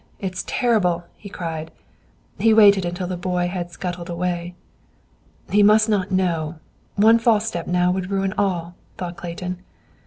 It is terrible," he cried. He waited until the boy had scuttled away. "He must not know. One false step now would ruin all," thought Clayton.